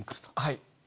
はい。